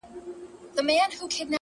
• همېشه به وه روان پکښي جنگونه,